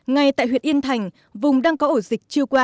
ngay tại huyệt yên thành vùng đang có ổ dịch chiêu qua hai mươi một